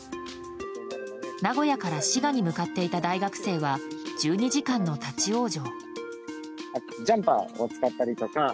名古屋から滋賀に向かっていた大学生は１２時間の立ち往生。